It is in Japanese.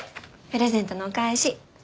プレゼントのお返し。